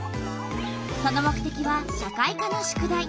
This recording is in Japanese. その目てきは社会科の宿題。